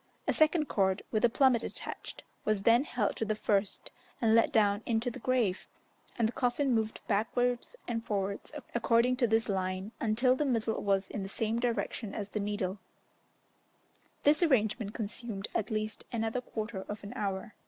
A second cord, with a plummet attached, was then held to the first and let down into the grave, and the coffin moved backwards and forwards according to this line, until the middle was in the same direction as the needle: this arrangement consumed at least another quarter of an hour.